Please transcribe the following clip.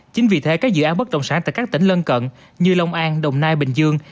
chính vì thế các dự án bất động sản tại các tỉnh lân cận như long an đồng nai bình dương